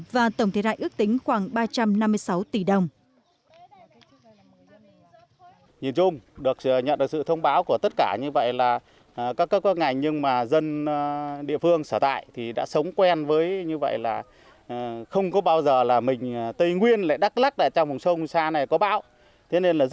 và tổng thiệt hại ước tính khoảng ba trăm năm mươi sáu tỷ đồng